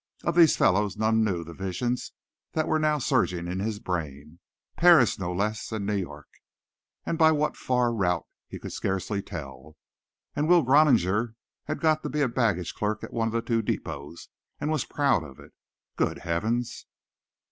Of these fellows none knew the visions that were now surging in his brain. Paris no less and New York by what far route he could scarcely tell. And Will Groniger had got to be a baggage clerk at one of the two depots and was proud of it. Good Heavens!